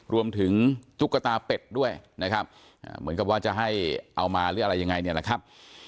ตุ๊กตาเป็ดด้วยนะครับเหมือนกับว่าจะให้เอามาหรืออะไรยังไงเนี่ยนะครับ